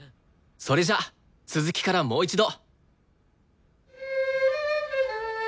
それじゃあ続きからもう一度。